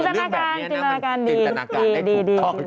จิตรนาการจิตรนาการดี